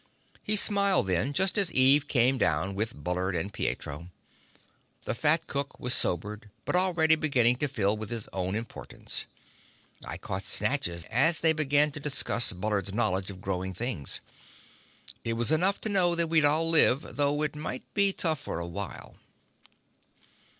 He smiled then, just as Eve came down with Bullard and Pietro. The fat cook was sobered, but already beginning to fill with his own importance. I caught snatches as they began to discuss Bullard's knowledge of growing things. It was enough to know that we'd all live, though it might be tough for a while.